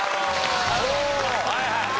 はいはい。